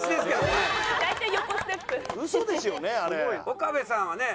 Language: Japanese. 岡部さんはね